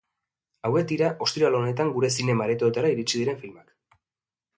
Hauek dira ostiral honetan gure zinema aretoetara iritsi diren filmak.